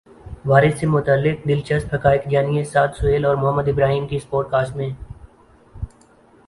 whether سے متعلق دلچسپ حقائق جانیے سعد سہیل اور محمد ابراہیم کی اس پوڈکاسٹ میں